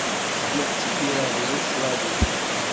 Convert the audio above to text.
Zgiɣ ttidireɣ di Lustṛali.